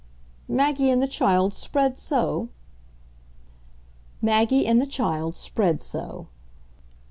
"Maggie and the child spread so?" "Maggie and the child spread so."